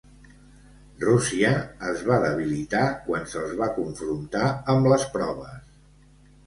Rússia es va debilitar quan se'ls va confrontar amb les proves.